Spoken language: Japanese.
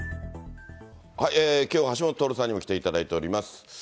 きょうは橋下徹さんにも来ていただいております。